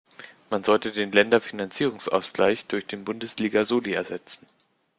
Man sollte den Länderfinanzausgleich durch einen Bundesliga-Soli ersetzen.